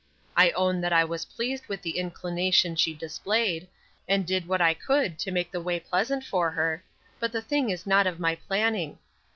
I own that I was pleased with the inclination she displayed, and did what I could to make the way pleasant for her, but the thing is not of my planning.